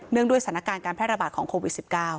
งด้วยสถานการณ์การแพร่ระบาดของโควิด๑๙